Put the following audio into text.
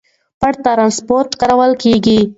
پټ ترانسپورت کارول کېږي.